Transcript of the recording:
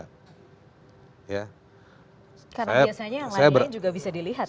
karena biasanya yang lainnya juga bisa dilihat